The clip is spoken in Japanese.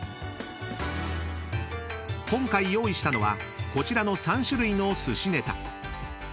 ［今回用意したのはこちらの３種類の寿司ネタ］